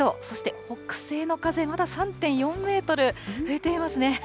そして北西の風、まだ３．４メートル吹いていますね。